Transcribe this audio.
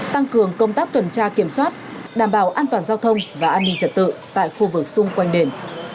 tăng cường công tác tuần tra kiểm soát đảm bảo an toàn giao thông và an ninh trật tự tại khu vực xung quanh đền